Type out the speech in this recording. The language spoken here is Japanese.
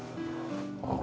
ああ。